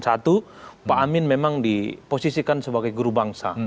satu pak amin memang diposisikan sebagai guru bangsa